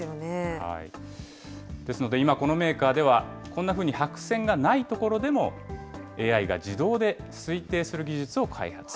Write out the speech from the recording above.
ですので今、このメーカーでは、こんなふうに白線がない所でも、ＡＩが自動で推定する技術を開発。